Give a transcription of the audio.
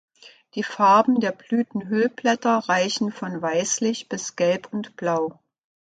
Die Farben der Blütenhüllblätter reichen von weißlich bis gelb und blau.